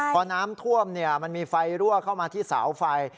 พอน้ำท่วมมันมีไฟรั่วเข้ามาที่เสาไฟ